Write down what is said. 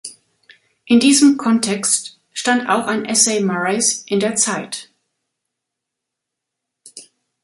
In diesem Kontext stand auch ein Essay Murrays in der „Zeit“.